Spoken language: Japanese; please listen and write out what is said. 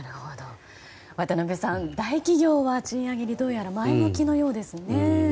渡辺さん大企業はどうやら賃上げにどうやら前向きのようですね。